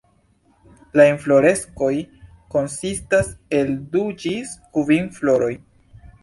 La infloreskoj konsistas el du ĝis kvin floroj.